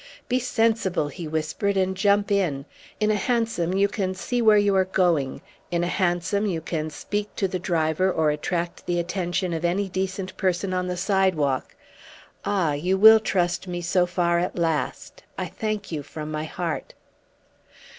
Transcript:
"Be sensible," he whispered, "and jump in! In a hansom you can see where you are going; in a hansom you can speak to the driver or attract the attention of any decent person on the sidewalk. Ah! you will trust me so far at last I thank you from my heart!"